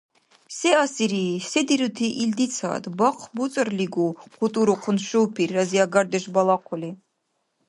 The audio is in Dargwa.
— Се асири? Се дирути илдицад? Бахъ буцӀарлигу, — хъутурухъун шупир, разиагардеш балахъули.